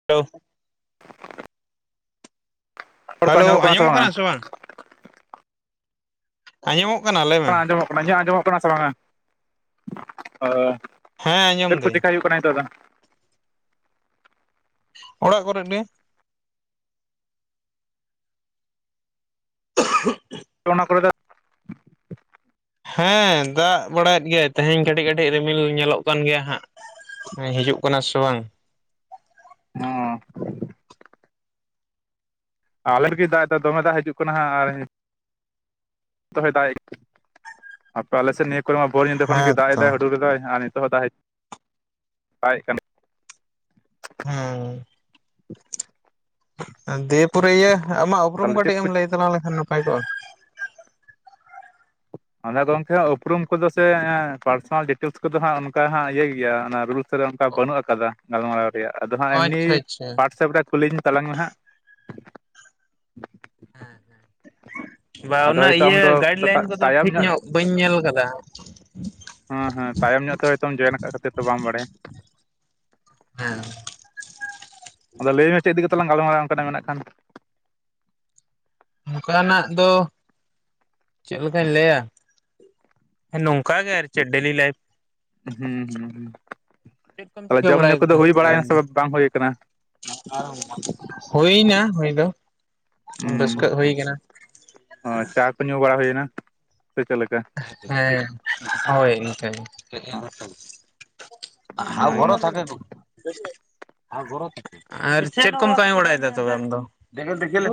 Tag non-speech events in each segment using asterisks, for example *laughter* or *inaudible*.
*unintelligible* Hello ᱟᱸᱡᱚᱢᱚᱜ ᱠᱟᱱᱟ ᱥᱮ ᱵᱟᱝ? ᱟᱸᱡᱚᱢᱚᱜ ᱠᱟᱱᱟ ᱞᱟᱹᱭ ᱢᱮ ᱚᱱᱟ ᱜᱮ ᱟᱸᱡᱚᱢᱚᱜ ᱠᱟᱱᱟ ᱥᱮ ᱵᱟᱝᱟ ᱚᱻ ᱦᱮᱸ ᱟᱸᱡᱚᱢ ᱪᱮᱫ ᱠᱚ ᱫᱟᱹᱧ ᱪᱤᱠᱟᱹ ᱦᱩᱭᱩᱜ ᱠᱟᱱᱟ ᱱᱤᱛᱚᱜ ᱫᱚ? ᱚᱲᱟᱜ ᱠᱚᱨᱮᱡ ᱜᱮ *unintelligible* ᱚᱱᱟ ᱠᱚᱨᱮ ᱫᱚ ᱦᱮᱸ ᱫᱟᱜ ᱵᱟᱲᱟᱭᱮᱫ ᱜᱮᱭᱟᱭ ᱛᱮᱦᱮᱧ ᱠᱟᱹᱴᱤᱡ ᱠᱟᱹᱴᱤᱡ ᱨᱤᱢᱤᱞ ᱧᱮᱞᱚᱜ ᱠᱟᱱ ᱜᱮᱭᱟ ᱦᱟᱸᱜ ᱦᱮᱸ ᱦᱤᱡᱩᱜ ᱠᱟᱱᱟ ᱥᱮ ᱵᱟᱝ? *unintelligible* ᱟᱞᱜᱮ ᱫᱟᱜ ᱫᱟ ᱫᱚᱢᱮ ᱫᱟᱜ ᱦᱤᱡᱩᱜ ᱠᱟᱱᱟ ᱟᱨ ᱦᱮᱸ ᱱᱤᱛᱚᱜ ᱦᱚᱸ ᱫᱟᱜ ᱮᱫ ᱟᱯᱮ ᱟᱞᱮ ᱥᱮ ᱱᱤᱭᱟᱹ ᱠᱚᱨᱮ ᱢᱟ ᱵᱷᱳᱲ ᱧᱤᱫᱟᱹ ᱠᱷᱚᱱ ᱦᱮᱸ ᱜᱮ ᱫᱟᱜ ᱛᱚ ᱮᱫᱟᱭ ᱦᱩᱰᱩᱨ ᱮᱫᱟᱭ ᱟᱨ ᱱᱤᱛᱚᱜ ᱦᱚᱸ ᱫᱟᱜ ᱦᱩᱡᱩᱜ ᱫᱟᱜ ᱮᱫ ᱠᱟᱱᱮ *unintelligible* ᱦᱮᱸᱻ ᱫᱤᱭᱮ ᱯᱚᱨᱮ ᱤᱭᱟᱹ ᱟᱢᱟᱜ ᱩᱯᱨᱩᱢ ᱛᱟᱦᱚᱞᱮ ᱪᱮᱫ ᱠᱟᱹᱴᱤᱡ ᱠᱚ ᱮᱢ ᱞᱟᱹᱭ ᱛᱟᱞᱟᱝ ᱞᱮᱠᱷᱟᱱ ᱱᱟᱯᱟᱭ ᱠᱚᱜ-ᱟ ᱟᱫᱚ ᱜᱚᱝᱠᱮ ᱩᱯᱨᱩᱢ ᱠᱚᱫᱚ ᱥᱮ ᱮᱸᱻ ᱯᱟᱨᱥᱚᱱᱟᱞ ᱰᱤᱴᱮᱞᱥ ᱠᱚᱫᱚ ᱦᱟᱸᱜ ᱚᱱᱠᱟ ᱦᱟᱸᱜ ᱤᱭᱟᱹ ᱜᱮᱭᱟ ᱚᱱᱟ ᱨᱩᱞᱥ ᱨᱩᱞᱥ ᱨᱮ ᱚᱱᱠᱟ ᱵᱟᱹᱱᱩᱜ ᱟᱠᱟᱫᱟ ᱜᱟᱞᱢᱟᱨᱟᱣ ᱨᱮᱭᱟᱜ ᱟᱫᱚ ᱦᱟᱸᱜ ᱮᱢᱱᱤ ᱟᱪᱪᱷᱟ ᱟᱪᱪᱷᱟ ᱣᱟᱴᱥᱮᱯ ᱨᱮ ᱠᱩᱞᱤᱧ ᱛᱟᱞᱟᱝ ᱢᱮ ᱦᱟᱸᱜ ᱦᱮᱸ ᱦᱮᱸ *unintelligible* ᱵᱟ ᱟᱫᱚ ᱩᱱᱟᱹᱜ ᱦᱳᱭᱛᱳ ᱟᱢ ᱤᱭᱟᱹ ᱫᱚ ᱜᱟᱭᱤᱰ ᱞᱟᱭᱤᱱ ᱠᱚᱫᱚ ᱴᱷᱤᱠ ᱧᱚᱜ ᱵᱟᱹᱧ ᱧᱮᱞ ᱠᱟᱫᱟ ᱦᱮᱸ ᱦᱮᱸ ᱛᱟᱭᱚᱢ ᱧᱚᱜ ᱦᱚᱭᱛᱚᱢ ᱡᱚᱭᱮᱱ ᱟᱠᱟᱫ ᱠᱷᱟᱹᱛᱤᱨ ᱛᱮ ᱵᱟᱢ ᱵᱟᱰᱟᱭᱟ ᱦᱮᱸᱻ ᱟᱫᱚ ᱞᱟᱹᱭ ᱢᱮ ᱪᱮᱫ ᱤᱫᱤ ᱠᱟᱛᱮ ᱞᱟᱝ ᱜᱟᱞᱢᱟᱨᱟᱜ-ᱟ ᱚᱱᱠᱟᱱᱟᱜ ᱢᱮᱱᱟᱜ ᱠᱷᱟᱱ ᱱᱚᱠᱟᱱᱟᱜ ᱫᱚ ᱪᱮᱫ ᱞᱮᱠᱟᱧ ᱞᱟᱹᱭᱟ ᱦᱮᱸ ᱱᱚᱝᱠᱟ ᱜᱮ ᱟᱨ ᱪᱮᱫ ᱰᱮᱞᱤ ᱞᱟᱭᱤᱯ ᱦᱩᱸ ᱦᱩᱸ ᱦᱩᱸ ᱪᱮᱫ ᱠᱚᱢ ᱛᱟᱦᱞᱮ ᱪᱤᱠᱟᱹ ᱡᱚᱢᱧᱩ ᱵᱟᱲᱟᱭᱮᱫᱟ ᱠᱚᱫᱚ ᱦᱩᱭ ᱛᱚᱵᱮ ᱵᱟᱲᱟᱭ ᱟᱢ ᱱᱟ ᱥᱮ ᱫᱚ ᱵᱟᱝ ᱦᱩᱭ ᱟᱠᱟᱱᱟ ᱦᱩᱭᱱᱟ ᱦᱩᱭ ᱫᱚ ᱦᱩᱸ ᱵᱟᱥᱠᱟᱹᱜ ᱦᱩᱭ ᱠᱟᱱᱟ ᱚ ᱪᱟ ᱠᱚ ᱧᱩ ᱵᱟᱲᱟ ᱦᱩᱭᱱᱟ ᱥᱮ ᱪᱤᱠᱟᱹ ᱞᱮᱠᱟ ᱦᱮᱸ ᱦᱳᱭ ᱤᱱᱠᱟᱹᱜᱮ ᱚᱱᱟᱜᱮ *unintelligible* *unintelligible* ᱟᱨ ᱪᱮᱫ ᱠᱚᱢ ᱠᱟᱹᱢᱤ ᱵᱟᱲᱟᱭᱮᱫᱟ ᱛᱚᱵᱮ ᱟᱢ ᱫᱚ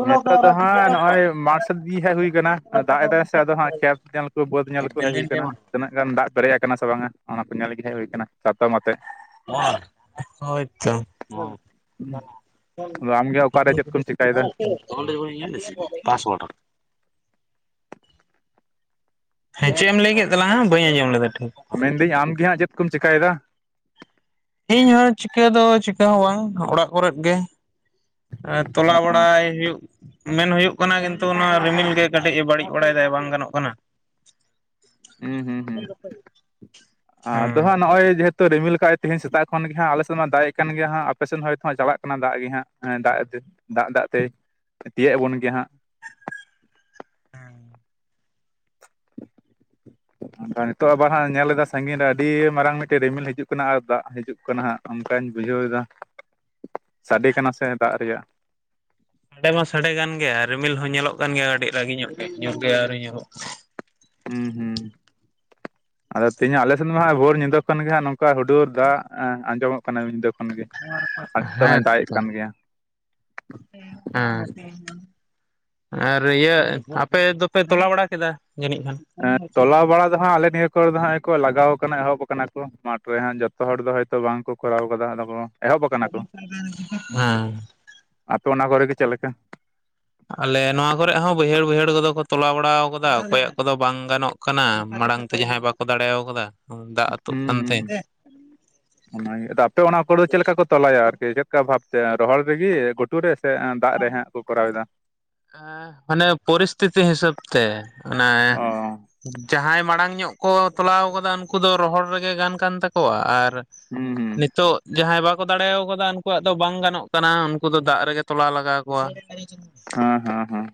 ᱱᱤᱛᱚᱜ ᱫᱚ ᱦᱟᱸᱜ ᱱᱚᱜᱼᱚᱭ ᱢᱟᱴ ᱥᱮᱫ ᱜᱮ ᱦᱟᱸᱜ ᱦᱩᱭ ᱟᱠᱟᱱᱟ ᱫᱟᱜ ᱮᱫᱟᱭ ᱥᱮ ᱟᱫᱚ ᱦᱟᱸᱜ ᱠᱷᱮᱛ ᱧᱮᱞ ᱵᱟᱹᱫᱽ ᱧᱮᱞ ᱠᱚ ᱦᱮᱡ ᱦᱳᱭ ᱟᱠᱟᱱᱟ ᱛᱤᱱᱟᱹᱜ ᱜᱟᱱ ᱫᱟᱜ ᱯᱮᱨᱮᱡ ᱟᱠᱟᱱᱟ ᱥᱮ ᱵᱟᱝᱟ ᱚᱱᱟ ᱠᱚ ᱧᱮᱞ ᱜᱮ ᱦᱮᱡ ᱦᱩᱭ ᱟᱠᱟᱱᱟ ᱪᱟᱛᱚᱢ ᱟᱛᱮ *unintelligible* ᱦᱳᱭᱛᱚ ᱟᱫᱚ ᱟᱢᱜᱮ ᱚᱠᱟᱨᱮ ᱪᱮᱫ ᱠᱚᱢ ᱪᱮᱠᱟᱭᱮᱫᱟ *unintelligible* ᱦᱮᱸ ᱪᱮᱫ ᱮᱢ ᱞᱟᱹᱭ ᱠᱮᱫ ᱛᱟᱞᱟᱝᱟ ᱵᱟᱹᱧ ᱟᱸᱡᱚᱢ ᱞᱮᱫᱟ ᱴᱷᱤᱠ ᱢᱮᱱᱫᱟᱹᱧ ᱟᱢ ᱜᱮ ᱦᱟᱸᱜ ᱪᱮᱫ ᱠᱚᱢ ᱪᱮᱠᱟᱭ ᱫᱟ ᱤᱧ ᱦᱚᱸ ᱪᱤᱠᱟᱹ ᱫᱚ ᱪᱤᱠᱟᱹ ᱦᱚᱸ ᱵᱟᱝ ᱚᱲᱟᱜ ᱠᱚᱨᱮ ᱜᱮ ᱛᱚᱞᱟ ᱵᱟᱲᱟᱭ ᱦᱩᱭᱩᱜ ᱢᱮᱱ ᱦᱩᱭᱩᱜ ᱠᱟᱱᱟ ᱠᱤᱱᱛᱩ ᱱᱚᱣᱟ ᱨᱤᱢᱤᱞ ᱜᱮ ᱠᱟᱹᱴᱤᱡ ᱮ ᱵᱟᱹᱲᱤᱡ ᱵᱟᱲᱟᱭ ᱫᱟᱭ ᱵᱟᱝ ᱜᱟᱱᱚᱜ ᱠᱟᱱᱟ ᱦᱩᱸ ᱦᱩᱸ ᱦᱩᱸ ᱦᱮᱸ ᱟᱫᱚ ᱦᱟᱸᱜ ᱱᱚᱜᱼᱚᱭ ᱡᱮ ᱦᱮᱛ ᱛᱚ ᱨᱤᱢᱤᱞ ᱟᱠᱟᱜ ᱟᱭ ᱛᱮᱦᱮᱧ ᱥᱮᱛᱟᱜ ᱠᱷᱚᱱ ᱜᱮ ᱦᱟᱸᱜ ᱟᱞᱮᱥᱮᱫ ᱢᱟ ᱫᱟᱜ ᱠᱟᱱ ᱜᱮ ᱦᱟᱸᱜ ᱟᱯᱮᱥᱮᱫ ᱦᱚᱸ ᱦᱚᱭᱛᱚ ᱪᱟᱞᱟᱜ ᱠᱟᱱᱟ ᱫᱟᱜ ᱜᱮ ᱦᱟᱸᱜ ᱦᱮ ᱫᱟᱜ ᱫᱟᱜ ᱫᱟᱜ ᱛᱮᱭ ᱛᱤᱭᱳᱜ ᱟᱵᱚᱱ ᱜᱮᱭᱟ ᱦᱟᱸᱜ ᱦᱮᱸ *inaudible* ᱟᱫᱚ ᱱᱤᱛᱚᱜ ᱟᱵᱟᱨ ᱦᱟᱸᱜ ᱧᱮᱞ ᱮᱫᱟ ᱥᱟᱺᱜᱤᱧ ᱨᱮ ᱟᱹᱰᱤ ᱢᱟᱨᱟᱝ ᱢᱤᱫᱴᱮᱱ ᱨᱤᱢᱤᱞ ᱦᱤᱡᱩᱜ ᱠᱟᱱᱟ ᱟᱨ ᱫᱟᱜ ᱦᱤᱡᱩᱜ ᱠᱟᱱᱟ ᱠᱟᱱᱟ ᱦᱟᱸᱜ ᱚᱱᱠᱟᱧ ᱵᱩᱡᱷᱟᱹᱣ ᱮᱫᱟ ᱥᱟᱰᱮ ᱠᱟᱱᱟ ᱥᱮ ᱫᱟᱜ ᱨᱮᱭᱟᱜ ᱥᱟᱰᱮ ᱢᱟ ᱥᱟᱰᱮ ᱜᱟᱱ ᱜᱮᱭᱟ ᱨᱤᱢᱤᱞ ᱦᱚᱸ ᱧᱮᱞᱚᱜ ᱠᱟᱱ ᱜᱮᱭᱟ ᱟ. ᱰᱤ ᱨᱟᱹᱜᱤ ᱧᱚᱜ ᱜᱮ ᱧᱩᱛ ᱜᱮ ᱟᱹᱣᱨᱤ ᱧᱩᱛᱩᱜ ᱦᱩᱸ ᱦᱩᱸ ᱟᱫᱚ ᱛᱮᱦᱤᱧᱟᱜ ᱟᱞᱮᱥᱮᱫ ᱢᱟ ᱦᱟᱜ ᱵᱷᱳᱨ ᱧᱤᱫᱟᱹ ᱠᱷᱚᱱ ᱜᱮ ᱦᱟᱜ ᱱᱚᱝᱠᱟ ᱚᱠᱟ ᱦᱩᱰᱩᱨ ᱫᱟᱜ ᱟᱸᱡᱚᱢᱚᱜ ᱠᱟᱱᱟ ᱧᱤᱫᱟᱹ ᱠᱷᱚᱱ ᱜᱮ ᱟᱨ *unintelligible* ᱱᱤᱛᱚᱜ ᱦᱚᱸᱭ ᱦᱮᱸ ᱫᱟᱜ ᱮᱫ ᱛᱚ ᱠᱟᱱ ᱜᱮᱭᱟ ᱦᱮᱸ *unintelligible* ᱟᱨ ᱤᱭᱟᱹ ᱟᱯᱮ ᱫᱚᱯᱮ ᱛᱚᱞᱟ ᱵᱟᱲᱟ ᱠᱮᱫᱟ ᱡᱟᱹᱱᱤᱡ ᱠᱷᱟᱱ ᱟ.. ᱛᱚᱞᱟ ᱵᱟᱲᱟ ᱦᱟᱸᱜ ᱟᱞᱮ ᱱᱤᱭᱟᱹ ᱠᱚ ᱨᱮ ᱫᱚ ᱦᱟᱸᱜ ᱠᱚ ᱞᱟᱜᱟᱣ ᱟᱠᱟᱱᱟ ᱮᱦᱚᱵ ᱟᱠᱟᱱᱟ ᱢᱟᱴ ᱨᱮ ᱦᱟᱸᱜ ᱡᱚᱛᱚ ᱦᱚᱲ ᱫᱚ ᱦᱚᱭᱛᱚ ᱵᱟᱝ ᱠᱚ ᱠᱚᱨᱟᱣ ᱟᱠᱟᱫᱟ *unintelligible* ᱦᱮᱸᱻ ᱟᱯᱮ ᱚᱱᱟ ᱠᱚᱨᱮ ᱜᱮ ᱪᱮᱫ ᱞᱮᱠᱟ? ᱟᱞᱮ ᱱᱚᱣᱟ ᱠᱚᱨᱮᱜ ᱦᱚᱸ ᱵᱟᱹᱭᱦᱟᱹᱲ ᱵᱟᱹᱭᱦᱟᱹᱲ ᱠᱚ ᱫᱚ ᱠᱚ ᱛᱚᱞᱟ ᱵᱟᱲᱟ ᱟᱠᱟᱫᱟ ᱚᱠᱚᱭᱟᱜ ᱠᱚᱱᱫᱚ ᱵᱟᱝ ᱜᱟᱱᱚᱜ ᱠᱟᱱᱟ ᱠᱟᱱᱟ ᱢᱟᱲᱟᱝ ᱛᱮ ᱡᱟᱦᱟᱸᱭ ᱵᱟᱠᱚ ᱫᱟᱲᱮᱣ ᱠᱟᱫᱟ ᱫᱟᱜ ᱟᱹᱛᱩᱜ ᱦᱩᱸ ᱦᱩᱸ ᱠᱟᱱᱛᱮ ᱦᱩᱸ ᱚᱱᱟᱜᱮ ᱟᱫᱚ ᱟᱯᱮ ᱚᱱᱟ ᱠᱚᱨᱮ ᱪᱮᱫ ᱞᱮᱠᱟ ᱠᱚ ᱛᱚᱞᱟᱭᱟ ᱟᱨᱠᱤ ᱪᱮᱫ ᱞᱮᱠᱟ ᱵᱷᱟᱵ ᱛᱮ ᱨᱚᱦᱚᱲ ᱨᱮ ᱜᱮ ᱜᱚ..... ᱛᱩ ᱨᱮ ᱥᱮ ᱫᱟᱜ ᱨᱮ ᱦᱟᱸᱜ ᱠᱚ ᱠᱚᱨᱟᱣ ᱮᱫᱟ ᱟᱺ.. ᱢᱟᱱᱮ ᱯᱚᱨᱤᱥᱛᱷᱤᱛᱤ ᱦᱤᱥᱟᱹᱵ ᱛᱮ ᱚᱱᱮ ᱚ ᱡᱟᱦᱟᱸᱭ ᱢᱟᱲᱟᱝ ᱧᱚᱜ ᱠᱚ ᱛᱚᱞᱟᱣ ᱟᱠᱟᱫᱟ ᱩᱱᱠᱩ ᱫᱚ ᱨᱚᱦᱚᱲ ᱨᱮᱜᱮ ᱜᱟᱱ ᱠᱟᱱ ᱛᱟᱠᱚᱣᱟ ᱟᱨ ᱦᱩᱸ ᱦᱩᱸ ᱱᱤᱛᱚᱜ ᱡᱟᱦᱟᱸᱭ ᱵᱟᱠᱚ ᱫᱟᱲᱮᱣ ᱟᱠᱟᱫᱟ ᱩᱱᱠᱩᱣᱟᱜ ᱫᱚ ᱵᱟᱝ ᱜᱟᱱᱚᱜ ᱠᱟᱱᱟ ᱩᱱᱠᱩ ᱫᱚ ᱫᱟᱜ ᱨᱮᱜᱮ ᱛᱚᱞᱟ ᱞᱟᱜᱟᱣ ᱟᱠᱚᱣᱟ *unintelligible* ᱦᱮᱸ ᱦᱮᱸ ᱦᱮᱸ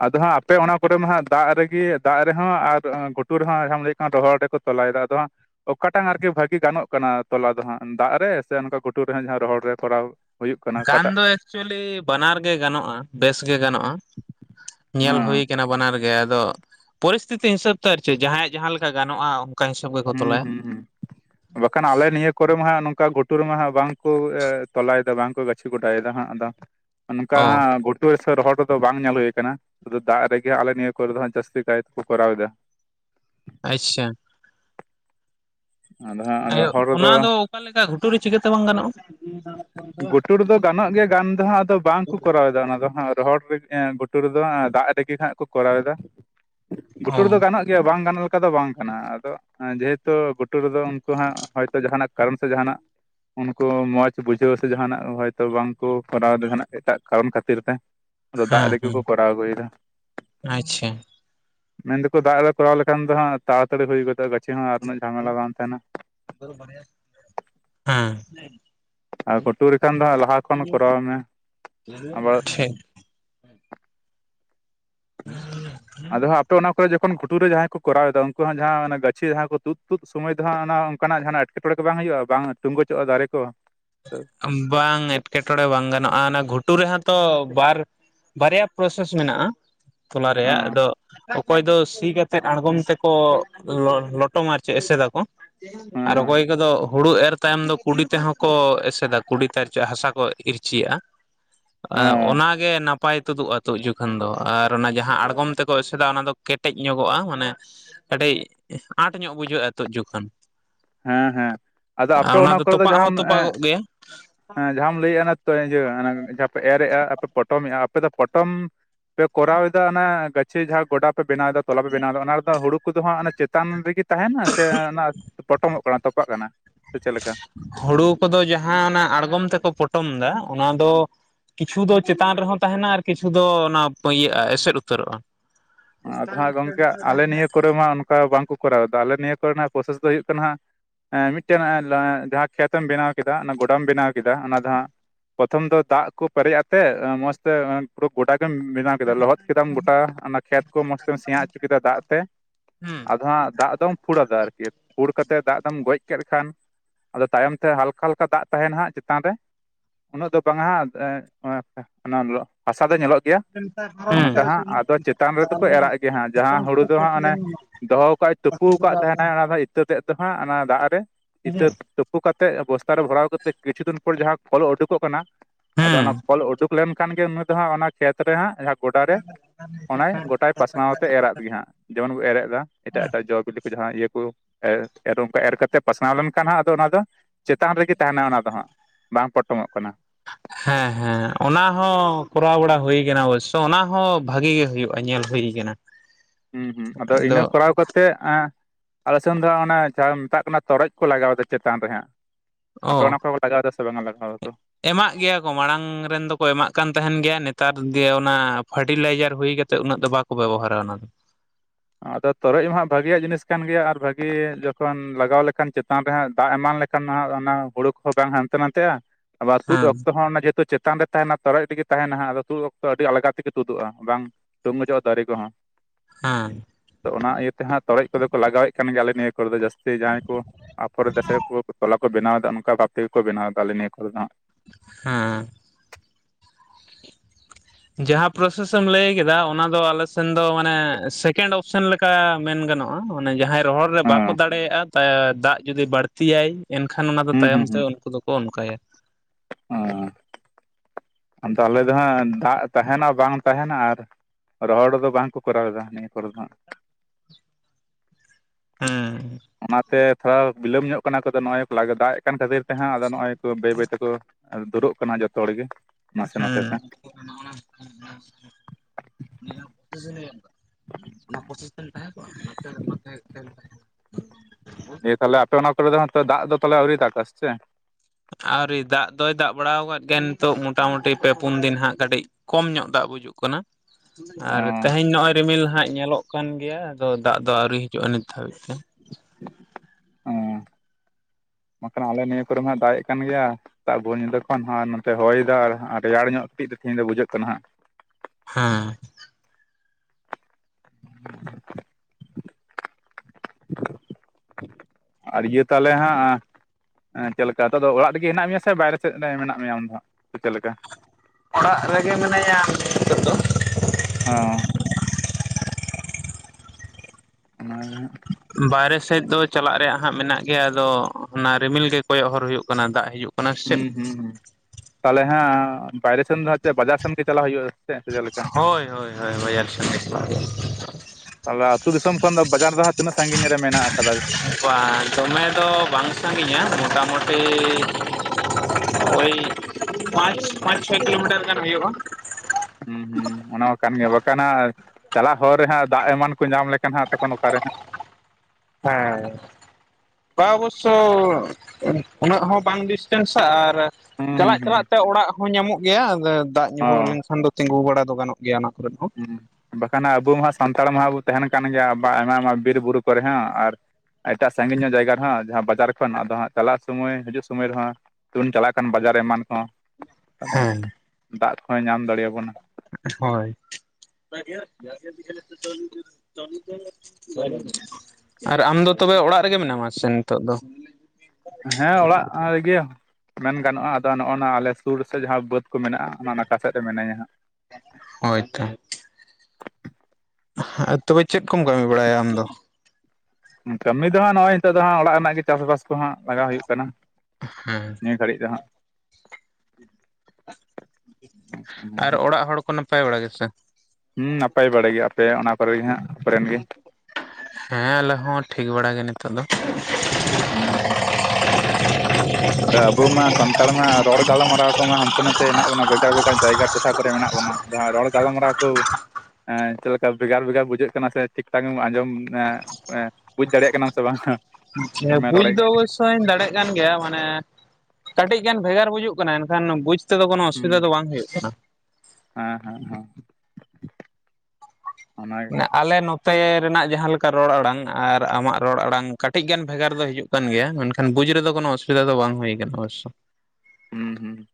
ᱟᱫᱚ ᱦᱟᱸᱜ ᱟᱯᱮ ᱚᱱᱟ ᱠᱚᱨᱮ ᱢᱟ ᱦᱟᱸᱜ ᱫᱟᱜ ᱨᱮᱜᱮ ᱫᱟᱜ ᱨᱮᱦᱚᱸ ᱟᱨ ᱜᱷᱩᱴᱩ ᱨᱮᱦᱚᱸ ᱡᱟᱦᱟᱸᱢ ᱞᱟᱹᱭ ᱨᱚᱦᱚᱲ ᱨᱮ ᱛᱚᱞᱟᱭ ᱫᱟ ᱟᱫᱚ ᱦᱟᱸᱜ ᱚᱠᱟᱴᱟᱝ ᱟᱨᱠᱤ ᱵᱷᱟᱹᱜᱤ ᱜᱟᱱᱚᱜ ᱠᱟᱱᱟ ᱛᱚᱞᱟ ᱫᱚ ᱦᱟᱸᱜ ᱫᱟᱜ ᱨᱮ ᱥᱮ ᱚᱱᱠᱟ ᱜᱷᱩᱴᱩ ᱨᱮ ᱡᱟᱦᱟᱸ ᱨᱚᱦᱚᱲ ᱨᱮ ᱠᱚᱨᱟᱣ ᱦᱩᱭᱩᱜ ᱠᱟᱱᱟ ᱜᱟᱱ ᱚᱠᱟᱴᱟᱜ ᱫᱚ ᱮᱠᱪᱩᱭᱮᱞᱤ ᱵᱟᱱᱟᱨ ᱜᱮ ᱜᱟᱱᱚᱜᱼᱟ ᱵᱮᱥ ᱜᱮ ᱜᱟᱱᱚᱜᱼᱟ ᱧᱮᱞ ᱦᱩᱭ ᱦᱩᱸ ᱠᱟᱱᱟ ᱵᱟᱱᱟᱨ ᱜᱮ ᱟᱫᱚ ᱯᱚᱨᱤᱥᱛᱷᱤᱛᱤ ᱦᱤᱥᱟᱹᱵ ᱛᱮ ᱟᱨ ᱡᱟᱦᱟᱸᱟᱭᱟᱜ ᱡᱟᱦᱟᱸ ᱞᱮᱠᱟ ᱜᱟᱱᱚᱜᱼᱟ ᱚᱱᱠᱟ ᱦᱤᱥᱟᱹᱵ ᱜᱮᱠᱚ ᱦᱩᱸ ᱛᱚᱞᱟᱭᱟ ᱦᱩᱸ ᱦᱩᱸ ᱵᱟᱠᱷᱟᱱ ᱟᱞᱮ ᱱᱤᱭᱟᱹ ᱠᱚᱨᱮ ᱢᱟ ᱦᱟᱸᱜ ᱱᱚᱝᱠᱟ ᱜᱷᱩᱴᱩ ᱨᱮᱢᱟ ᱦᱟᱸᱜ ᱵᱟᱝ ᱠᱚ ᱮ.. ᱛᱚᱞᱟᱭ ᱮᱫᱟ ᱵᱟᱝᱠᱚ ᱜᱟᱹᱪᱷᱤ ᱜᱚᱴᱟᱭᱮᱫᱟ ᱦᱟᱸᱜ ᱟᱫᱚ ᱚᱱᱠᱟ ᱚ ᱦᱟᱸᱜ ᱜᱷᱩ... ᱨᱚᱦᱚᱲ ᱨᱮᱫᱚ ᱵᱟᱝ ᱧᱮᱞ ᱦᱩᱭ ᱟᱠᱟᱱᱟ ᱫᱟᱜ ᱨᱮᱜᱮ ᱟᱞᱮ ᱱᱤᱭᱟᱹ ᱠᱚᱨᱮ ᱡᱟᱹᱥᱛᱤ ᱠᱟᱭ ᱛᱮᱠᱚ ᱠᱚᱨᱟᱣ ᱮᱫᱟ ᱟᱪᱪᱷᱟ ᱟᱫᱚ ᱦᱟᱸᱜ ᱨᱚᱦᱚᱲ ᱨᱮᱫᱚ ᱚᱱᱟ ᱫᱚ ᱚᱠᱟᱞᱮᱠᱟ ᱜᱷᱩᱴᱩ ᱨᱮ ᱪᱤᱠᱟᱹᱛᱮ ᱵᱟᱝ ᱜᱟᱱᱚᱜᱼᱟ? ᱜᱩᱴᱩ ᱨᱮ ᱫᱚ ᱜᱟᱱᱚᱜ ᱜᱮᱭᱟ ᱜᱟᱱ ᱫᱚ ᱦᱟᱸᱜ ᱟᱫᱚ ᱵᱟᱝ ᱠᱚ ᱠᱚᱨᱟᱣ ᱮᱫᱟ ᱚᱱᱟ ᱫᱚ ᱦᱟᱸᱜ ᱨᱚᱦᱚᱲ ᱨᱮᱜᱮ ᱜᱩᱴᱩ ᱨᱮᱫᱚ ᱵᱟᱝ ᱫᱟᱜ ᱨᱮᱜᱤ ᱦᱟᱸᱜ ᱠᱚ ᱠᱚᱨᱟᱣ ᱮᱫᱟ ᱜᱩᱴᱩ ᱚ ᱨᱮᱫᱚ ᱜᱟᱱᱚᱜ ᱜᱮ ᱜᱮᱭᱟ ᱵᱟᱝ ᱜᱟᱱᱚᱜ ᱞᱮᱠᱟ ᱫᱚ ᱵᱟᱝ ᱠᱟᱱᱟ ᱟᱫᱚ ᱡᱮᱦᱮᱛᱩ ᱜᱷᱩᱴᱩ ᱨᱮᱫᱚ ᱩᱱᱠᱩ ᱦᱟᱸᱜ ᱦᱳᱭᱛᱳ ᱡᱟᱦᱟᱱᱟᱜ ᱠᱟᱨᱚᱱ ᱥᱮ ᱡᱟᱦᱟᱱᱟᱜ ᱩᱱᱠᱩ ᱢᱚᱡᱽ ᱵᱩᱡᱷᱟᱹᱣ-ᱟ ᱥᱮ ᱡᱟᱦᱟᱱᱟᱜ ᱦᱚᱭᱛᱳ ᱵᱟᱝᱠᱚ ᱠᱚᱨᱟᱣ ᱡᱟᱦᱱᱟᱜ ᱮᱴᱟᱜ ᱠᱟᱨᱚᱱ ᱠᱷᱟᱹᱛᱤᱨ ᱛᱮ ᱟᱫᱚ ᱫᱟᱜ ᱦᱮᱸ ᱨᱮᱜᱮ ᱦᱮᱸ ᱠᱚ ᱠᱚᱨᱟᱣ ᱟᱹᱜᱩᱭ ᱮᱫᱟ ᱟᱪᱪᱷᱟ ᱢᱮᱱ ᱫᱟᱠᱚ ᱫᱟᱜ ᱨᱮ ᱠᱚᱨᱟᱣ ᱞᱮᱠᱷᱟᱱ ᱫᱚ ᱦᱟᱸᱜ ᱛᱟᱲᱟᱛᱟᱹᱲᱤ ᱦᱩᱭ ᱜᱚᱫᱚᱜᱼᱟ ᱜᱟᱹᱪᱷᱤ ᱦᱚᱸ ᱟᱨ ᱩᱱᱟᱹᱜ ᱡᱷᱟᱢᱮᱞᱟ ᱵᱟᱝ ᱛᱟᱦᱮᱱᱟ ᱦᱮᱸ ᱟᱨ ᱜᱷᱩᱴᱩ ᱨᱮ ᱞᱮᱠᱷᱟᱱ ᱫᱚ ᱞᱟᱦᱟ ᱠᱷᱚᱱ ᱠᱚᱨᱟᱣ ᱢᱮ ᱟᱵᱟᱨ ᱴᱷᱤᱠ ᱟᱫᱚ ᱦᱟᱜ ᱛᱚ ᱚᱱᱟ ᱠᱚᱨᱮ ᱡᱚᱠᱷᱚᱱ ᱜᱷᱩᱴᱩ ᱨᱮ ᱡᱟᱦᱟᱸᱭ ᱠᱚᱨᱟᱣ ᱮᱫᱟ ᱩᱱᱠᱩᱣᱟᱜ ᱡᱟᱦᱟᱸ ᱚᱱᱟ ᱜᱟᱹᱪᱷᱤ ᱡᱟᱦᱟᱸᱭ ᱠᱚ ᱛᱩᱫ ᱛᱩᱫ ᱥᱚᱢᱚᱭ ᱫᱚ ᱦᱟᱜ ᱚᱱᱟ ᱚᱱᱟᱜ ᱡᱟᱦᱟᱸ ᱴᱮᱴ... ᱮᱴᱠᱮᱴᱚᱬᱮ ᱠᱚ ᱵᱟᱝ ᱦᱩᱭᱩᱜᱼᱟ ᱵᱟᱝ ᱴᱩᱜᱩᱪᱚᱜᱼᱟ ᱫᱟᱨᱮ ᱠᱚ ᱚ ᱵᱟᱝ ᱮᱸᱴᱠᱮᱴᱚᱬᱮᱜ ᱵᱟᱝ ᱜᱟᱱᱚᱜᱼᱟ ᱚᱱᱟ ᱜᱷᱩᱴᱩ ᱨᱮᱦᱚᱸ ᱛᱚ ᱵᱟᱨ ᱵᱟᱨᱭᱟ ᱯᱨᱚᱥᱮᱥ ᱢᱮᱱᱟᱜᱼᱟ ᱛᱚᱞᱟ ᱨᱮᱭᱟᱜ ᱟᱫᱚ ᱚᱠᱚᱭ ᱫᱚ ᱥᱤ ᱠᱟᱛᱮᱫ ᱟᱬᱜᱚᱢ ᱛᱮᱠᱚ ᱞᱚᱴᱚᱢᱟ ᱟᱨ ᱪᱮᱫ ᱮᱥᱮᱫᱟᱠᱚ ᱾ ᱦᱮᱸ ᱟᱨ ᱦᱮᱸ ᱚᱠᱚᱭ ᱠᱚᱫᱚ ᱦᱩᱲᱩ ᱮᱨ ᱛᱟᱭᱚᱢ ᱫᱚ ᱠᱩᱰᱤ ᱛᱮᱦᱚᱸ ᱠᱚ ᱮᱥᱮᱫᱟ ᱠᱩᱰᱤ ᱪᱚ ᱦᱟᱥᱟ ᱠᱚ ᱤᱨᱪᱤᱭᱟᱜᱼᱟ ᱚ ᱚᱱᱟᱜᱮ ᱱᱟᱯᱟᱭ ᱾ ᱱᱟᱯᱟᱭ ᱛᱩᱫᱩᱜᱼᱟ ᱛᱩᱫ ᱡᱚᱠᱷᱚᱱ ᱫᱚ ᱟᱨ ᱚᱱᱟ ᱡᱟᱦᱟᱸ ᱟᱬᱜᱚᱢ ᱛᱮᱠᱚ ᱮᱥᱮᱫᱟ ᱚᱱᱟ ᱫᱚ ᱠᱮᱴᱮᱡ ᱧᱚᱜᱚᱜᱼᱟ ᱢᱟᱱᱮ ᱠᱟᱹᱴᱤᱡ ᱟᱸᱴ ᱧᱚᱜ ᱵᱩᱡᱷᱟᱹᱜᱼᱟ ᱛᱚᱜ ᱡᱚᱠᱷᱚᱱ ᱾ ᱦᱮᱸ ᱦᱮᱸ ᱟᱫᱚ ᱟᱯᱮ ᱚᱱᱟ ᱠᱚᱨᱮ ᱫᱚ ᱛᱚᱯᱟᱜ ᱦᱚᱸ ᱡᱟᱦᱟᱸᱢ ᱮ ᱛᱚᱯᱟᱜᱚᱜ ᱜᱮᱭᱟ ᱦᱮᱸ ᱡᱟᱦᱟᱸᱟᱢ ᱞᱟᱹᱭᱮᱜ ᱡᱟᱦᱟᱸ ᱯᱮ ᱮᱨᱜᱼᱟ ᱯᱮ ᱯᱚᱴᱚᱢᱮᱜᱼᱟ ᱟᱯᱮ ᱫᱚ ᱯᱚᱴᱚᱢ ᱯᱮ ᱠᱚᱨᱟᱣ ᱮᱟ ᱚᱱᱟ ᱜᱟᱪᱷᱤ ᱡᱟᱦᱟᱸ ᱜᱚᱰᱟ ᱯᱮ ᱵᱮᱱᱟᱣ ᱮᱟ ᱛᱚᱞᱟ ᱯᱮ ᱵᱮᱱᱟᱣ ᱮᱫᱟ ᱚᱱᱟ ᱨᱮᱫᱚ ᱦᱩᱲᱩ ᱠᱚᱫᱚ ᱦᱟᱸᱜ ᱚᱱᱟ ᱪᱮᱛᱟᱱ ᱨᱮᱜᱮ ᱛᱟᱦᱮᱱᱟ ᱥᱮ ᱚᱱᱟ ᱯᱚᱴᱚᱢᱚᱜ ᱠᱟᱱᱟ ᱛᱚᱯᱟᱜ ᱠᱟᱱᱟ ᱥᱮ ᱪᱮᱫ ᱞᱮᱠᱟ? ᱦᱩᱲᱩ ᱠᱚᱫᱚ ᱡᱟᱦᱟᱸ ᱚᱱᱟ ᱟᱬᱜᱚᱢ ᱛᱮᱠᱚ ᱯᱚᱴᱚᱢ ᱮᱫᱟ ᱚᱱᱟ ᱫᱚ ᱠᱤᱪᱷᱩ ᱫᱚ ᱪᱮᱛᱟᱱ ᱨᱮᱦᱚᱸ ᱛᱟᱦᱮᱱᱟ ᱟᱨ ᱠᱤᱪᱷᱩ ᱫᱚ ᱚᱱᱟ ᱟᱹᱜ ᱮᱥᱮᱫ ᱩᱛᱟᱹᱨᱚᱜᱼᱟ᱾ ᱟᱫᱷᱚ ᱜᱚᱝᱠᱮ ᱟᱞᱮ ᱱᱤᱭᱟᱹ ᱠᱚᱨᱮ ᱢᱟ ᱚᱱᱠᱟ ᱵᱟᱝᱠᱚ ᱠᱚᱨᱟᱣᱫᱟ ᱟᱞᱮ ᱱᱤᱭᱟᱹ ᱠᱚᱨᱮᱱᱟᱜ ᱯᱨᱚᱥᱮᱥ ᱫᱚ ᱦᱩᱭᱩᱜ ᱠᱟᱱᱟ ᱦᱟᱸᱜ ᱮᱸ ᱢᱤᱫᱴᱮᱱ ᱡᱟᱦᱟᱸ ᱠᱷᱮᱛ ᱮᱢ ᱵᱮᱱᱟᱣ ᱠᱮᱫᱟ ᱚᱱᱟ ᱜᱚᱰᱟᱢ ᱵᱮᱱᱟᱣ ᱠᱮᱫᱟ ᱚᱱᱟ ᱫᱚ ᱦᱟᱸᱜ ᱯᱨᱚᱛᱷᱚᱢ ᱫᱚ ᱫᱟᱜ ᱠᱚ ᱯᱮᱨᱮᱡ ᱟᱛᱮ ᱢᱚᱸᱡᱽ ᱛᱮ ᱯᱩᱨᱟᱹ ᱜᱚᱰᱟ ᱜᱮᱢ ᱵᱮᱱᱟᱣ ᱠᱮᱫᱟ ᱞᱚᱦᱚᱫ ᱠᱮᱫᱟᱢ ᱜᱚᱴᱟ ᱾ ᱠᱷᱮᱛ ᱠᱚ ᱢᱚᱸᱡᱽ ᱛᱮᱢ ᱥᱮᱭᱟ ᱦᱚᱪᱚ ᱠᱮᱫᱟ ᱫᱟᱜ ᱛᱮ ᱦᱩᱸ ᱟᱫᱚ ᱦᱟᱜ ᱫᱟᱜ ᱫᱚᱢ ᱯᱷᱳᱲᱟ ᱟᱫᱟ ᱟᱨᱠᱤ ᱯᱷᱩᱲ ᱠᱟᱛᱮ ᱛᱮ ᱫᱟᱜ ᱫᱚᱢ ᱜᱚᱡ ᱠᱮᱫ ᱠᱷᱟᱱ ᱟᱫᱚ ᱛᱟᱭᱚᱢ ᱛᱮ ᱦᱟᱞᱠᱟ ᱦᱟᱞᱠᱟ ᱫᱟᱜ ᱛᱟᱦᱮᱱᱟ ᱦᱟᱸᱜ ᱪᱮᱛᱟᱱ ᱨᱮ ᱩᱱᱟᱹᱜ ᱫᱚ ᱵᱟᱝ ᱟ ᱦᱟᱜ ᱚᱱᱟ ᱦᱟᱥᱟ ᱫᱚ ᱧᱮᱞᱚᱜ ᱜᱮᱭᱟ ᱾ ᱦᱮ ᱪᱮᱛᱟᱱ ᱨᱮᱫᱚ ᱠᱚ ᱮᱨᱟᱜ ᱜᱮᱭᱟ ᱦᱟᱸᱜ ᱡᱟᱦᱟᱸ ᱦᱩᱲᱩ ᱫᱚ ᱦᱟᱸᱜ ᱚᱱᱮ ᱫᱚᱦᱚ ᱠᱟᱜᱟᱭ ᱛᱩᱯᱩ ᱟᱠᱟᱫ ᱛᱟᱦᱮᱱᱟᱭ ᱚᱱᱟ ᱫᱚ ᱾ ᱤᱛᱟᱹ ᱛᱮ ᱛᱮᱦᱟᱸᱜ ᱚᱱᱟ ᱫᱟᱜ ᱨᱮ ᱤᱛᱟᱹ ᱛᱩᱯᱩ ᱠᱟᱛᱮᱫ ᱵᱚᱥᱛᱟ ᱨᱮ ᱵᱷᱚᱨᱟᱣ ᱠᱟᱛᱮ ᱠᱤᱪᱷᱩ ᱫᱤᱱ ᱯᱚᱨ ᱡᱟᱦᱟᱸ ᱠᱚᱞ ᱩᱰᱩᱠᱚᱜ ᱠᱟᱱᱟ ᱟᱫᱚ ᱚᱱᱟ ᱦᱮᱸ ᱠᱚᱞ ᱩᱰᱩᱠ ᱾ ᱞᱮᱱᱠᱷᱟᱱ ᱜᱮ ᱩᱱᱤ ᱫᱚ ᱦᱟᱸᱜ ᱚᱱᱟ ᱠᱷᱮᱛ ᱨᱮ ᱦᱟᱸᱜ ᱡᱟᱦᱟᱸ ᱜᱚᱰᱟ ᱨᱮ ᱚᱱᱟ ᱜᱚᱴᱟᱭ ᱯᱟᱥᱱᱟᱣ ᱛᱮ ᱮᱨ ᱟᱫ ᱜᱮ ᱦᱟᱸᱜ ᱡᱮᱢᱚᱱ ᱵᱚᱱ ᱮᱨᱮᱫ ᱮᱫᱟ ᱮᱴᱟᱜ ᱮᱴᱟᱜ ᱡᱚ ᱵᱤᱞᱤ ᱠᱚ ᱡᱟᱦᱟᱸ ᱤᱭᱟᱹ ᱠᱚ ᱾ ᱚᱱᱠᱟ ᱮᱨ ᱠᱟᱛᱮᱜ ᱯᱟᱥᱱᱟᱣ ᱞᱮᱱᱠᱷᱟᱱ ᱦᱟᱜ ᱟᱫᱚ ᱚᱱᱟ ᱫᱚ ᱪᱮᱛᱟᱱ ᱨᱮᱜᱮ ᱛᱟᱦᱮᱱᱟ ᱚᱱᱟ ᱫᱚ ᱦᱟᱸᱜ ᱾ ᱵᱟᱝ ᱯᱚᱴᱚᱢᱚᱜ ᱠᱟᱱᱟ ᱾ ᱦᱮᱸ ᱦᱮᱸ ᱚᱱᱟ ᱦᱚᱸ ᱠᱚᱨᱟᱣ ᱵᱟᱲᱟ ᱦᱩᱭ ᱠᱟᱱᱟ ᱚᱵᱚᱥᱥᱳᱭ ᱚᱱᱟ ᱦᱚᱸ ᱵᱷᱟᱜᱤ ᱜᱮ ᱦᱩᱭᱩᱜᱼᱟ ᱧᱮᱞ ᱾ ᱦᱩᱭ ᱠᱟᱱᱟ ᱦᱩᱸ ᱦᱩᱸ ᱟᱫᱚ ᱤᱱᱟᱹ ᱠᱚᱨᱟᱣ ᱠᱟᱛᱮ ᱛᱮ ᱟᱞᱮ ᱥᱮᱱ ᱫᱚ ᱚᱱᱟ ᱡᱟᱦᱟᱸ ᱢᱮᱛᱟᱜ ᱠᱟᱱᱟ ᱛᱚᱨᱚᱡ ᱠᱚ ᱞᱟᱜᱟᱣ ᱮᱫᱟ ᱪᱮᱛᱟᱱ ᱨᱮ ᱦᱟᱸᱜ ᱾ ᱚ ᱟᱯᱮ ᱚᱱᱟ ᱠᱚ ᱞᱟᱜᱟᱣ ᱫᱟ ᱥᱮ ᱵᱟᱝ ᱞᱟᱜᱟᱣ ᱛᱚ? ᱮᱢᱟᱜ ᱜᱮᱭᱟ ᱠᱚ ᱢᱟᱲᱟᱝ ᱨᱮᱱ ᱫᱚᱠᱚ ᱮᱢᱟᱜ ᱠᱟᱱ ᱛᱟᱦᱮᱱ ᱜᱮᱭᱟ ᱱᱮᱛᱟᱨ ᱫᱤᱭᱮ ᱚᱱᱟ ᱯᱷᱟᱨᱴᱤᱞᱟᱭᱡᱟᱨ ᱦᱩᱭ ᱠᱟᱛᱮᱮᱫ᱾ ᱩᱱᱟᱹᱜ ᱫᱚ ᱵᱟᱠᱚ ᱵᱮᱵᱚᱦᱟᱨᱟ ᱚᱱᱟ ᱫᱚ᱾ ᱟᱫᱚ ᱛᱚᱨᱚᱡ ᱦᱚᱸ ᱦᱟᱸᱜ ᱵᱷᱟᱜᱤᱭᱟᱜ ᱡᱤᱱᱤᱥ ᱠᱟᱱ ᱜᱮᱭᱟ ᱟᱨ ᱵᱷᱟᱜᱤ ᱡᱚᱠᱷᱚᱱ ᱞᱟᱜᱟᱣ ᱞᱮᱠᱷᱟᱱ ᱪᱮᱛᱟᱱ ᱨᱮ ᱦᱟᱸᱜ ᱫᱟᱜ ᱮᱢᱟᱱ ᱞᱮᱠᱷᱟᱱ᱾ ᱚᱱᱟ ᱦᱩᱲᱩ ᱠᱚᱦᱚᱸ ᱵᱟᱝ ᱦᱟᱱᱛᱮ ᱱᱟᱛᱮᱼᱟ ᱟᱵᱟᱨ ᱛᱩᱫ ᱦᱮᱸ ᱚᱠᱛᱚ ᱦᱚᱸ ᱡᱮᱦᱮᱛᱩ ᱪᱮᱛᱟᱱ ᱨᱮ ᱛᱟᱦᱮᱱᱟ ᱛᱚᱨᱚᱡ ᱨᱮᱜᱮ ᱛᱟᱦᱮᱱᱟ ᱦᱟᱸᱜ ᱟᱫᱚ ᱛᱩᱫ ᱚᱠᱛᱚ ᱟᱹᱰᱤ ᱟᱞᱜᱟ ᱛᱮᱜᱮ ᱛᱩᱫᱩᱜᱼᱟ ᱵᱟᱝ ᱰᱩᱝᱩᱡᱚᱜᱼᱟ ᱫᱟᱨᱮ ᱠᱚᱦᱚᱸ᱾ ᱦᱮᱸ᱾ ᱛᱚ ᱚᱱᱟ ᱤᱭᱟᱹᱛᱮ ᱦᱟᱸᱜ ᱛᱚᱨᱚᱡ ᱠᱚᱫᱚ ᱠᱚ ᱞᱟᱜᱟᱣᱮᱫ ᱠᱟᱱ ᱜᱮᱭᱟ ᱟᱞᱮ ᱱᱤᱭᱟᱹ ᱠᱚᱨᱮ ᱫᱚ ᱡᱟᱹᱛᱤ᱾ ᱥᱮ ᱡᱟᱦᱟᱸᱭ ᱠᱚ ᱟᱯᱷᱚᱨᱮ ᱫᱮᱥᱮ ᱠᱚ ᱛᱚᱞᱟ ᱠᱚ ᱵᱮᱱᱟᱣᱮᱫᱫᱟ ᱚᱱᱠᱟ ᱵᱷᱟᱵ ᱛᱮᱜᱮᱠᱚ ᱵᱮᱱᱟᱣ ᱮᱫᱟ ᱟᱞᱮ ᱱᱤᱭᱟᱹ ᱠᱚᱨᱮ ᱫᱚ ᱦᱟᱸᱜ᱾ ᱦᱮᱸ ᱡᱟᱦᱟᱸ ᱯᱨᱚᱥᱮᱥᱮᱢ ᱞᱟᱹᱭ ᱠᱮᱫᱟ ᱚᱱᱟ ᱫᱚ ᱟᱞᱮᱥᱮᱱ ᱫᱚ ᱢᱟᱱᱮ ᱥᱮᱠᱮᱱᱰ ᱚᱯᱥᱮᱱ ᱞᱮ ᱚᱱᱠᱟ ᱢᱮᱱ ᱜᱟᱱᱚᱜᱼᱟ ᱚᱱᱮ ᱡᱟᱸᱦᱟᱭ ᱨᱚᱦᱚᱲ ᱨᱮ ᱵᱟᱠᱚ ᱦᱮᱸ ᱫᱟᱲᱮᱭᱟᱜᱼᱟ ᱫᱟᱜ ᱡᱩᱫᱤ ᱵᱟᱹᱲᱛᱤᱭᱟᱭ᱾ ᱮᱱᱠᱷᱟᱱ ᱚᱱᱟ ᱫᱚ ᱦᱩᱸ ᱦᱩᱸ ᱛᱟᱭᱚᱢᱛᱮ ᱩᱱᱠᱩ ᱫᱚᱠᱚ ᱚᱱᱠᱟᱭᱟ᱾ ᱚ ᱟᱫᱚ ᱟᱞᱮ ᱫᱚ ᱦᱟᱸᱜ ᱫᱟᱜ ᱛᱟᱦᱮᱱᱟ ᱵᱟᱝ ᱛᱟᱦᱮᱱᱟ ᱟᱨ᱾ ᱨᱚᱦᱚᱲ ᱨᱮᱫᱚ ᱵᱟᱝ ᱠᱚ ᱠᱚᱨᱟᱣᱮᱫᱟ ᱱᱤᱭᱟᱹ ᱠᱚᱨᱮ ᱫᱚ ᱦᱟᱸᱜ᱾ ᱦᱮᱸ᱾ ᱚᱱᱟᱛᱮ ᱛᱷᱚᱲᱟ ᱵᱤᱞᱚᱢ ᱧᱚᱜ ᱠᱟᱱᱟ ᱠᱚ ᱱᱚᱜᱼᱚᱭ ᱞᱟᱜ ᱫᱟᱜ ᱮ ᱠᱟᱱ ᱠᱷᱟᱹᱛᱤᱨ ᱛᱮ ᱦᱟᱸᱜ ᱟᱫᱚ ᱱᱚᱜᱼᱚᱭ ᱠᱚ ᱵᱟᱹᱭ ᱵᱟᱹᱭ ᱛᱮᱠᱚ᱾ ᱫᱩᱨᱩᱜ ᱠᱟᱱᱟ ᱡᱚᱛᱚ ᱦᱚᱲ ᱜᱮ᱾ ᱱᱟᱥᱮ ᱱᱟᱥᱮ ᱛᱮ ᱦᱮᱸ᱾ ᱱ *unintelligible* ᱚᱱᱟ ᱯᱪᱤᱥᱢ ᱛᱟᱦᱮᱸ ᱠᱚᱜᱼᱟ ᱚᱱᱟᱛᱮ ᱚᱱᱟᱛᱮ ᱠᱷ ᱛᱟᱦᱮᱸᱱᱟ *unintelligible* ᱫᱤᱭᱮ ᱛᱟᱦᱞᱮ ᱟᱯᱮ ᱚᱱᱟ ᱠᱚᱨᱮ ᱫᱚ ᱦᱟᱸᱜ ᱫᱟᱜ ᱫᱚ ᱛᱟᱦᱚᱞᱮ ᱟᱹᱣᱨᱤ ᱫᱟᱜᱼᱟ ᱥᱮᱪᱮᱜ? ᱟᱹᱣᱨᱤ ᱫᱟᱜ ᱫᱚᱭ ᱫᱟᱜ ᱵᱟᱲᱟᱣ ᱠᱟᱜ ᱜᱮᱭᱟ, ᱱᱤᱛᱚᱜ ᱢᱚᱴᱟᱢᱩᱴᱤ ᱯᱮ ᱯᱩᱱ ᱫᱤᱱ ᱦᱟᱸᱜ ᱠᱟᱹᱴᱤᱡ᱾ ᱠᱚᱢ ᱧᱚᱜ ᱫᱟᱜ ᱵᱩᱡᱩᱜ ᱠᱟᱱᱟ, ᱟᱨ ᱚ ᱛᱮᱦᱮᱧ ᱱᱚᱜᱼᱚᱭ ᱨᱤᱢᱤᱞ ᱦᱟᱸᱜ ᱧᱮᱞᱚᱜ ᱠᱟᱱ ᱜᱮᱭᱟ, ᱟᱫᱚ ᱫᱟᱜ ᱫᱚ ᱟᱹᱣᱨᱤ ᱦᱤᱡᱩᱜᱼᱟ ᱱᱤᱛ ᱦᱟᱹᱵᱤᱡ ᱛᱮ᱾ ᱚᱸ ᱵᱟᱝᱠᱷᱟᱱ ᱟᱞᱮ ᱱᱤᱭᱟᱹ ᱠᱚᱨᱮ ᱢᱟ ᱫᱟᱜᱼᱮᱜ ᱠᱟᱱ ᱜᱮᱭᱟ᱾ ᱫᱟᱜ ᱵᱚᱱ ᱧᱤᱫᱟᱹ ᱠᱷᱚᱱ ᱱᱚᱛᱮ ᱦᱚᱭᱟ ᱫᱟᱭ ᱟᱨ ᱨᱮᱭᱟᱲ ᱧᱚᱜ ᱠᱟᱹᱴᱤᱡ ᱛᱮᱦᱮᱧ ᱫᱚ ᱵᱩᱡᱷᱟᱹᱜ ᱠᱟᱱᱟ ᱦᱟᱸᱜ᱾ ᱦᱮᱸ᱾ *unintelligible* ᱟᱨ ᱤᱭᱟᱹ ᱛᱟᱦᱟᱸᱞᱮ ᱦᱟᱸᱜ᱾ ᱮᱸ ᱪᱮᱫ ᱞᱮᱠᱟ ᱱᱤᱛᱚᱜ ᱫᱚ ᱚᱲᱟᱜ ᱨᱮᱜᱮ ᱦᱮᱱᱟᱜ ᱢᱮᱭᱟ ᱥᱮ, ᱵᱟᱭᱨᱮ ᱥᱮᱫ ᱨᱮ ᱢᱮᱱᱟᱜ ᱢᱮᱭᱟ ᱟᱢ ᱫᱚ ᱥᱮ ᱪᱮᱫ ᱞᱮᱠᱟ? ᱚᱲᱟᱜ ᱨᱮᱜᱮ ᱢᱤᱱᱟᱹᱧᱟ ᱱᱤᱛᱚᱜ ᱫᱚ᱾ ᱚᱸ᱾ ᱚᱱᱟᱜᱮ ᱦᱟᱸᱜ ᱵᱟᱨᱦᱮ ᱥᱮᱫ ᱫᱚ ᱪᱟᱞᱟᱜ ᱨᱮᱭᱟᱜ ᱦᱟᱸᱜ ᱢᱮᱱᱟᱜ ᱜᱮᱭᱟ, ᱟᱫᱚ ᱚᱱᱟ ᱨᱤᱢᱤᱞ ᱜᱮ ᱠᱚᱭᱚᱜ ᱦᱚᱨ ᱦᱩᱭᱩᱜ ᱠᱟᱱᱟ ᱫᱟᱜ ᱦᱤᱡᱩᱜ᱾ ᱠᱟᱱᱟ ᱥᱮ ᱪᱮᱫ ᱦᱩᱸᱻᱦᱩᱸᱻᱦᱩᱸᱻ᱾ ᱛᱟᱦᱚᱞᱮ ᱦᱟᱸᱜ ᱵᱟᱭᱨᱮ ᱥᱮᱱ ᱫᱚ ᱦᱟᱸᱜ ᱪᱮᱫ ᱵᱟᱡᱟᱨ ᱥᱮᱱ ᱜᱮ ᱪᱟᱞᱟᱜ ᱦᱩᱭᱩᱜᱼᱟ? ᱥᱮ ᱪᱮᱫ ᱞᱮᱠᱟ ᱦᱳᱭᱻᱦᱳᱭᱻᱦᱳᱭᱻᱦᱳᱭ᱾ ᱟᱨ ᱠᱤ ᱵᱟᱡᱟᱨ ᱥᱮᱱᱜᱮ ᱾ ᱛᱟᱦᱚᱞᱮ ᱟᱹᱛᱩ ᱫᱤᱥᱚᱢ ᱠᱷᱚᱱ ᱫᱚ, ᱵᱟᱡᱟᱨ ᱫᱚ ᱦᱟᱸᱜ ᱛᱤᱱᱟᱹᱜ ᱥᱟᱺᱜᱤᱧ ᱨᱮ ᱢᱮᱱᱟᱜ ᱠᱟᱫᱟ? ᱵᱟᱝ ᱫᱚᱢᱮ ᱫᱚ ᱵᱟᱝ ᱥᱟᱺᱜᱤᱧᱟ ᱢᱚᱴᱟᱢᱩᱴᱤ ᱳᱭ ᱯᱟᱸᱪ ᱯᱟᱸᱪ ᱪᱷᱚᱭ ᱠᱤᱞᱳᱢᱤᱴᱟᱨ ᱜᱟᱱ ᱦᱳᱭᱳᱜᱼᱟ᱾ ᱦᱩᱸᱻᱦᱩᱸᱻᱚᱱᱟ ᱢᱟ ᱠᱟᱱ ᱜᱮᱭᱟ ᱵᱟᱠᱷᱟᱱ ᱦᱟᱸᱜ᱾ ᱪᱟᱞᱟᱜ ᱦᱚᱨ ᱨᱮ ᱦᱟᱸᱜ ᱫᱟᱜ ᱮᱢᱟᱱ ᱠᱚ ᱧᱟᱢ ᱞᱮᱠᱷᱟᱱ ᱦᱟᱸᱜ, ᱛᱚᱠᱷᱚᱱ ᱚᱠᱟᱨᱮ ᱦᱟᱸᱜ ᱦᱮᱸ᱾ ᱵᱟ ᱚᱵᱚᱥᱥᱚ ᱩᱱᱟᱹᱜ ᱦᱚᱸ ᱵᱟᱝ ᱰᱤᱥᱴᱮᱱᱥᱟ ᱟᱨ ᱦᱩᱸ ᱦᱩᱸ ᱪᱟᱞᱟᱜ ᱦᱩᱸ ᱪᱟᱞᱟᱜ ᱛᱮ ᱚᱲᱟᱜ ᱦᱚᱸ ᱧᱟᱢᱚᱜ ᱜᱮᱭᱟ, ᱫᱟᱜ ᱚ ᱧᱩᱨᱦᱟᱹ ᱞᱮᱱᱠᱷᱟᱱ ᱫᱚ ᱛᱤᱸᱜᱩ ᱵᱟᱲᱟ ᱫᱚ ᱜᱟᱱᱚᱜᱼᱟ᱾ ᱜᱮᱭᱟ ᱟᱱᱟᱜ ᱠᱚᱨᱮ ᱦᱚᱸ ᱦᱮᱸ ᱵᱟᱠᱷᱟᱱ ᱟᱵᱚ ᱢᱟ ᱦᱟᱸᱜ ᱥᱟᱱᱛᱟᱲ ᱢᱟ ᱦᱟᱸᱜ ᱵᱚ, ᱛᱟᱦᱮᱸᱱ ᱠᱟᱱ ᱜᱮᱭᱟ ᱵᱟ ᱟᱭᱢᱟ ᱟᱭᱢᱟ ᱵᱤᱨ ᱵᱩᱨᱩ ᱠᱚᱨᱮ ᱦᱚᱸ ᱟᱨ ᱮᱴᱟᱜ ᱥᱟᱺᱜᱤᱧ ᱧᱚᱜ ᱡᱟᱭᱜᱟ ᱨᱮᱦᱚᱸ, ᱡᱟᱦᱟᱸ ᱵᱟᱡᱟᱨ ᱠᱷᱚᱱ ᱟᱫᱚ ᱦᱟᱸᱜ ᱪᱟᱞᱟᱜ ᱥᱳᱢᱳᱭ ᱦᱤᱡᱩᱜ ᱥᱳᱢᱳᱳᱭ ᱨᱮᱦᱚᱸ ᱪᱩᱢ ᱪᱟᱞᱟᱜ ᱠᱟᱱ ᱵᱟᱡᱟᱨ ᱮᱢᱟᱱ ᱦᱚᱸ ᱛᱟᱦᱚᱞᱮ ᱦᱮᱸ ᱫᱟᱜ ᱠᱚᱦᱚᱸᱭ ᱧᱟᱢ ᱫᱟᱲᱮᱭᱟᱵᱚᱱᱟ ᱾ ᱦᱳᱭ *inaudible* ᱟᱨ ᱟᱢ ᱫᱚ ᱛᱚᱵᱮ ᱚᱲᱟᱜ ᱨᱮᱜᱮ ᱢᱮᱱᱟᱢᱟ ᱥᱮ ᱱᱤᱛᱚᱜ ᱫᱚ? ᱦᱮᱸ ᱚᱲᱟᱜ ᱨᱮᱜᱮ᱾ ᱢᱮᱱ ᱜᱟᱱᱚᱜᱼᱟ ᱟᱫᱚ ᱱᱚᱜᱼᱚ ᱱᱚᱣᱟ ᱟᱞᱮ ᱥᱩᱨ ᱥᱮᱫ ᱡᱟᱦᱟᱸ ᱵᱟᱹᱫ ᱠᱚ ᱢᱮᱱᱟᱜᱼᱟ, ᱚᱱᱟ ᱱᱟᱠᱷᱟ ᱥᱮᱫ ᱨᱮ ᱢᱱᱟᱹᱧᱟ ᱦᱟᱸᱜ, ᱦᱳᱭᱛᱚ ᱛᱚᱵᱮ ᱪᱮᱫ ᱠᱚᱢ ᱠᱟᱹᱢᱤ ᱵᱟᱲᱟᱭᱟ ᱟᱢ ᱫᱚ? ᱠᱟᱹᱢᱤ ᱫᱚ ᱦᱟᱸᱜ ᱱᱚᱜᱼᱚᱭ ᱱᱤᱛᱚᱜ ᱫᱚ ᱦᱟᱸᱜ ᱚᱲᱟᱜ ᱨᱮᱱᱟᱜ ᱜᱮ ᱪᱟᱥᱵᱟᱥ᱾ ᱠᱚ ᱦᱟᱸᱜ ᱞᱟᱜᱟᱣ ᱦᱩᱭᱩᱜ ᱠᱟᱱᱟ ᱦᱮᱸ ᱱᱤᱭᱟᱹ ᱜᱷᱟᱹᱲᱤᱡ ᱫᱚ ᱦᱟᱸᱜ᱾ ᱟᱨ ᱚᱲᱟᱜ ᱦᱚᱲ ᱠᱚ ᱱᱟᱯᱟᱭ ᱵᱟᱲᱟ ᱜᱮᱥᱮ? ᱦᱩᱸ ᱱᱟᱯᱟᱭ ᱵᱟᱲ ᱜᱮ ᱟᱯᱮ ᱚᱱᱟ ᱠᱚᱨᱮ ᱦᱟᱸᱜ ᱟᱯᱚᱨᱮᱱ ᱜᱮ? ᱦᱮᱸᱟᱞᱮ ᱦᱚᱸ ᱴᱷᱤᱠ ᱵᱟᱲᱟ ᱜᱮ ᱱᱤᱛᱚᱜ ᱫᱚ᱾ ᱫᱟ ᱟᱵᱩ ᱢᱟ ᱥᱟᱱ ᱛᱟᱦᱚᱞᱮ ᱢᱟᱸ ᱨᱚᱲ ᱜᱟᱞᱟᱨᱟᱣ ᱠᱚᱢᱟ ᱦᱟᱱᱛᱮ ᱱᱟᱛᱮ ᱦᱮᱱᱟᱜ ᱵᱚᱱᱟ, ᱵᱷᱮᱜᱟᱨ ᱵᱷᱮᱜᱟᱨ ᱡᱟᱭᱜᱟ ᱴᱚᱴᱷᱟ ᱠᱚᱨᱮ ᱢᱮᱱᱟᱜ ᱵᱚᱱᱟ ᱦᱟᱸᱜ ᱨᱚᱲ ᱜᱟᱞᱢᱟᱨᱟᱣ ᱠᱚ ᱱᱤᱛᱳᱜ ᱪᱮᱫ ᱞᱮᱠᱟ ᱵᱷᱮᱜᱟᱨ ᱵᱷᱮᱜᱟᱨ ᱵᱩᱡᱷᱟᱹᱜ ᱠᱟᱱᱟ, ᱥᱮ ᱴᱷᱤᱠ ᱴᱷᱟᱠᱮᱢ ᱟᱸᱡᱚᱢ ᱮᱸ ᱵᱩᱡ ᱫᱟᱲᱮᱭᱟᱜ ᱠᱟᱱᱟᱢ ᱥᱮ ᱵᱟᱝ? ᱦᱮᱸ ᱤᱧ ᱢᱟ ᱵᱩᱡ ᱫᱚ ᱨᱚᱲᱮᱫ ᱚᱵᱚᱥᱚ ᱟᱹᱧ ᱫᱟᱲᱭᱟᱜ ᱠᱟᱱ ᱜᱮᱭᱟ ᱢᱟᱱᱮ, ᱠᱟᱹᱴᱤᱡ ᱜᱟᱱ ᱵᱷᱮᱜᱟᱨ ᱵᱩᱡᱩᱜ ᱠᱟᱱᱟ ᱮᱱᱠᱷᱟᱱ ᱵᱩᱡ ᱱᱤᱛᱳᱫᱚ ᱠᱳᱱᱳ ᱚᱥᱩᱵᱤᱫᱷᱟ ᱫᱚ ᱵᱟᱝ ᱦᱳᱭᱳᱜ ᱠᱟᱱᱟ᱾ ᱦᱮᱸᱻᱦᱮᱸᱻᱦᱮᱸᱻ᱾ ᱢᱟᱱᱮ ᱟᱞᱮ ᱱᱚᱛᱮ ᱨᱮᱱᱟᱜ ᱡᱟᱦᱟᱸ ᱞᱮᱠᱟ ᱨᱚᱲ ᱟᱲᱟᱝ, ᱟᱨ ᱟᱢᱟᱜ ᱨᱚᱲ ᱟᱲᱟᱝ ᱠᱟᱹᱴᱤᱡ ᱜᱟᱱ ᱵᱷᱮᱜᱟᱨ ᱫᱚ ᱦᱤᱡᱩᱜ ᱠᱟᱱᱟ᱾ ᱠᱟᱱ ᱜᱮᱭᱟ ᱢᱮᱱᱠᱷᱟᱱ ᱵᱩᱡ ᱨᱮᱫᱚ ᱠᱚᱱᱳ ᱚᱥᱩᱵᱤᱫᱟ ᱫᱚ ᱵᱟᱝ ᱦᱩᱭᱟ ᱟᱠᱟᱱᱟ ᱚᱵᱚᱥᱚ ᱦᱩᱸ ᱦᱩᱸ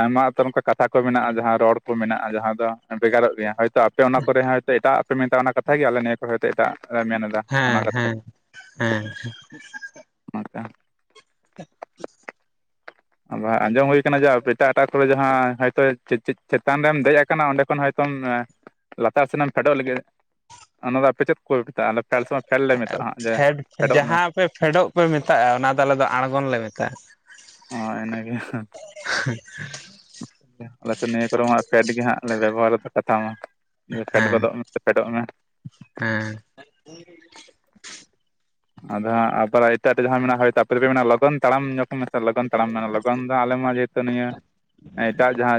ᱟᱭᱢᱟ ᱩᱛ ᱚᱱᱠᱟ ᱠᱟᱛᱷᱟ ᱠᱚ ᱢᱮᱱᱟᱜᱼᱟ ᱡᱟᱦᱟᱸ ᱨᱚᱲ ᱠᱚ ᱢᱮᱱᱟᱜᱼᱟ ᱡᱟᱦᱟᱸ ᱫᱚ ᱵᱷᱮᱜᱟᱨᱚᱜ ᱜᱮᱭᱟ ᱦᱳᱭᱛᱳ ᱟᱯᱮ ᱚᱱᱟ ᱠᱚᱨᱮ ᱦᱚᱸ ᱦᱚᱭᱛᱳ ᱮᱴᱟᱜ ᱯᱮ ᱢᱮᱛᱟᱜ ᱚᱱᱟ ᱠᱟᱛᱷᱟᱜ ᱜᱮ ᱟᱞᱮ ᱱᱤᱭᱟᱹ ᱠᱚ ᱦᱚᱭᱛᱳ ᱮᱴᱟᱜ ᱞᱮ ᱢᱮᱱ ᱮᱫᱟ ᱚᱱᱟ ᱦᱮᱸ ᱠᱟᱛᱷᱟ ᱦᱮᱸ ᱦᱮᱸ ᱢᱲᱠᱟ *unintelligible* ᱟᱵ ᱟᱸᱡᱚᱢ ᱦᱩᱭᱩ ᱟᱠᱟᱱᱟ ᱡᱮ ᱮᱴᱟᱜ ᱮᱴᱟᱜ ᱠᱚᱨᱮ ᱡᱟᱦᱟᱸᱭᱛᱳ ᱪᱮᱛᱟᱱ ᱨᱮᱢ ᱫᱮᱡ ᱟᱠᱟᱱᱟ ᱚᱸᱰᱮ ᱠᱷᱚᱱ ᱦᱚᱭ ᱡᱚᱢ ᱞᱟᱛᱟᱨ ᱥᱮᱱᱮᱢ ᱯᱷᱮᱰᱚᱜ ᱞᱟᱹᱜᱤᱫ ᱚᱱᱟ ᱫᱚ ᱟᱯᱮ ᱪᱮᱫ ᱚᱠᱚᱭ ᱢᱮᱛᱟᱜᱼᱟ ᱯᱷᱮᱞ ᱥᱚᱢᱚᱭ ᱯᱷᱮᱞ ᱞᱮ ᱢᱮᱛᱟᱜᱼᱟᱜ ᱡᱮ ᱯᱷᱮᱰᱚᱜ ᱢᱮ ᱮ ᱯᱷᱮᱰᱚᱜ ᱯᱮ ᱢᱮᱛᱟᱜᱼᱟ ᱚᱱᱟᱫᱚ ᱟᱞᱮ ᱫᱚ ᱟᱬᱜᱚᱱ ᱞᱮ ᱢᱮᱛᱟᱜᱼᱟ ᱦᱮᱸ ᱤᱱᱟ ᱜᱮ ᱟᱞᱮᱥᱮ ᱱᱤᱭᱟᱹ ᱠᱚᱨᱮ ᱦᱚᱸᱜ ᱯᱷᱮᱰ ᱜᱮ ᱦᱟᱸᱜ ᱞᱮ ᱵᱮᱵᱚᱦᱟᱨᱫᱟ ᱠᱟᱛᱷᱟ ᱢᱟ ᱡᱮ ᱯᱷᱮᱰ ᱦᱮᱸ ᱜᱚᱫᱚᱜ ᱢᱮ ᱥᱮ ᱯᱷᱮᱰᱚᱜ ᱢᱮ ᱦᱮᱸ ᱦᱮᱸ ᱟᱫᱚ ᱦᱟᱸ ᱟᱮ ᱮᱴᱟᱜ ᱨᱮ ᱡ ᱡᱟᱦᱟᱸ ᱢᱮᱱᱟᱜᱼᱟ ᱦᱳᱭ ᱛᱟᱯᱚᱨᱮᱯᱮ ᱢᱮ ᱢᱮᱱᱟᱜᱼᱟ ᱞᱚᱜᱚᱱ ᱛᱟᱲᱟᱢ ᱧᱚᱜ ᱥ ᱞᱚᱜᱚᱱ ᱛᱟᱲᱟᱢ ᱢᱮᱱᱟᱜᱼᱟ ᱞᱚᱜᱚᱱ ᱫᱚ ᱟᱞᱮ ᱢᱟ ᱡᱮᱦᱮᱛᱩ ᱱᱤᱭᱟᱹ ᱮᱴᱟᱜ ᱡᱟᱦᱟᱸ